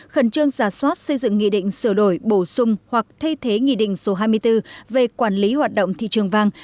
khẩn trương giả soát xây dựng nghị định sửa đổi bổ sung hoặc thay thế nghị định số hai mươi bốn về quản lý hoạt động thị trường vàng